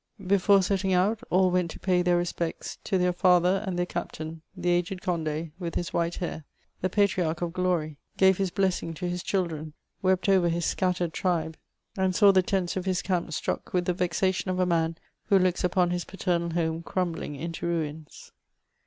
358 MEMonts OF Before settmg out, all went to pay their respects to their iatheP and their captain ; the aged Cond6| with his white hair, the patriarch of glory, gaye his blessing to his children, wept oyer ms scattered tribe, and saw the tents of his camp stnick with the vexation of a man who looks upon his paternal home crumbling into ruins."